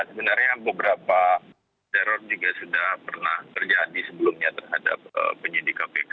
sebenarnya beberapa teror juga sudah pernah terjadi sebelumnya terhadap penyidik kpk